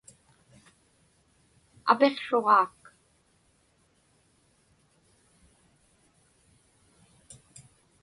Apiqsruġaak.